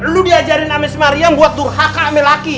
lo diajarin ame si mariam buat durhaka ame laki